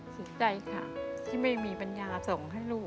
เสียใจค่ะที่ไม่มีปัญญาส่งให้ลูก